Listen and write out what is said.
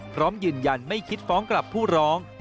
พร้อมยืนยันไม่คิดฟ้องกลับผู้ร้อง